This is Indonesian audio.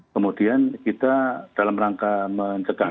kemudian kita dalam rangka mencegah